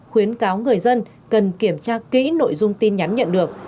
khuyến cáo người dân cần kiểm tra kỹ nội dung tin nhắn nhận được